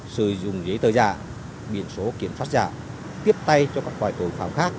sử dụng giấy tờ giả biển số kiểm soát giả tiếp tay cho các loại tội phạm khác